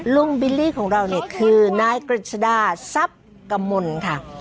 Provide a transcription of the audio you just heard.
ลุงบิลลี่ของเราเนี่ยคือนายกริจดาซับกะมุนค่ะ